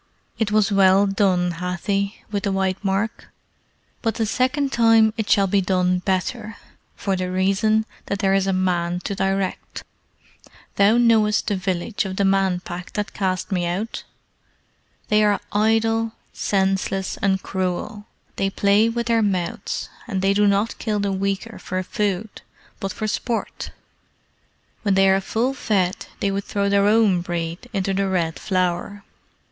It was well done, Hathi with the white mark; but the second time it shall be done better, for the reason that there is a man to direct. Thou knowest the village of the Man Pack that cast me out? They are idle, senseless, and cruel; they play with their mouths, and they do not kill the weaker for food, but for sport. When they are full fed they would throw their own breed into the Red Flower.